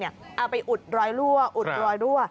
เอาไปอุดรอยรั่วอุดรอยรั่ว